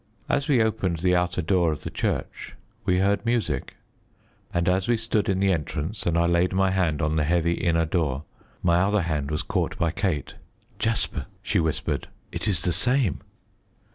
As we opened the outer door of the church we heard music, and as we stood in the entrance and I laid my hand on the heavy inner door, my other hand was caught by Kate. "Jasper," she whispered, "it is the same!"